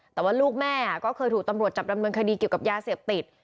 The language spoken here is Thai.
แต่ว่าลูกแม่ก็เคยถูกตำรวจจับดำเนินคดีเกี่ยวกับยาเสพติด